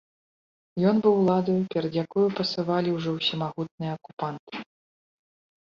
Ён быў уладаю, перад якою пасавалі ўжо ўсемагутныя акупанты.